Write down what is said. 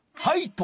はい！